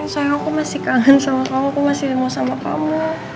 soalnya aku masih kangen sama kamu aku masih demo sama kamu